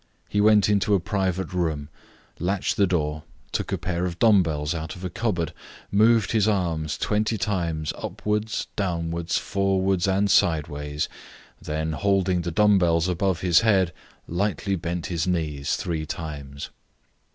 He went into a private room, latched the door, took a pair of dumb bells out of a cupboard, moved his arms 20 times upwards, downwards, forwards, and sideways, then holding the dumb bells above his head, lightly bent his knees three times.